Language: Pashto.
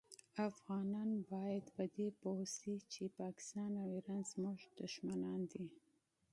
افغانان باید په دي پوه شي پاکستان او ایران زمونږ دوښمنان دي